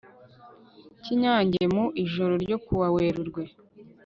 cy'i nyange mu ijoro ryo kuwa werurwe